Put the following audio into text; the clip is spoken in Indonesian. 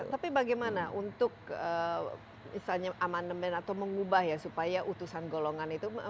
tapi bagaimana untuk misalnya amandemen atau mengubah ya supaya utusan golongan itu